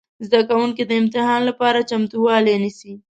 زده کوونکي د امتحان لپاره چمتووالی نیسي.